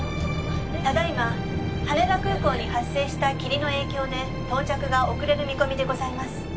「ただ今羽田空港に発生した霧の影響で到着が遅れる見込みでございます」